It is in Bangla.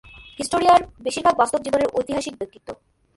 হিস্টোরিয়ার বেশিরভাগ বাস্তব জীবনের ঐতিহাসিক ব্যক্তিত্ব!